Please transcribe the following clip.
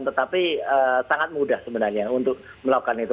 tetapi sangat mudah sebenarnya untuk melakukan itu